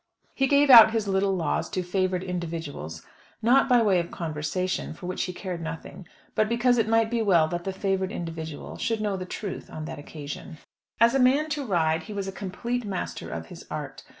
He gave out his little laws to favoured individuals; not by way of conversation, for which he cared nothing, but because it might be well that the favoured individual should know the truth on that occasion. As a man to ride he was a complete master of his art.